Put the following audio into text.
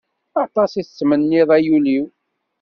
Aṭas i tettmenniḍ, ay ul-iw!